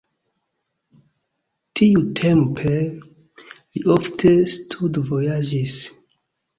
Tiutempe li ofte studvojaĝis.